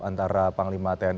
antara panglima tni dan tni